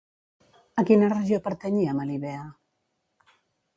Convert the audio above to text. A quina regió pertanyia Melibea?